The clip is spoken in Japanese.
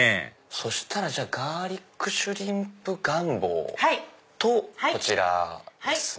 そしたらガーリックシュリンプガンボとこちらですね。